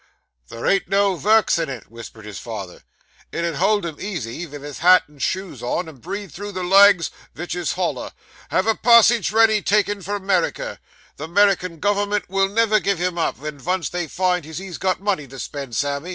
'There ain't no vurks in it,' whispered his father. 'It 'ull hold him easy, vith his hat and shoes on, and breathe through the legs, vich his holler. Have a passage ready taken for 'Merriker. The 'Merrikin gov'ment will never give him up, ven vunce they find as he's got money to spend, Sammy.